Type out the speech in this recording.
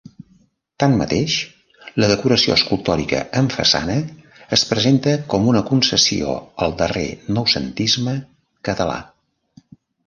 Tanmateix, la decoració escultòrica en façana es presenta com una concessió al darrer noucentisme català.